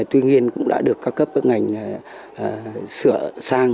tuy nhiên cũng đã được các cấp ngành sửa sang